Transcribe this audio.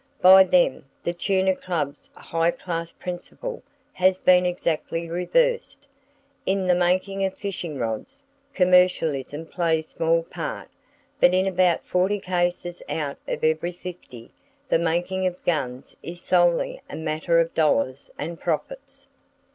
By them, the Tuna Club's high class principle has been exactly reversed! In the making of fishing rods, commercialism plays small part; but in about forty cases out of every fifty the making of guns is solely a matter of dollars and profits.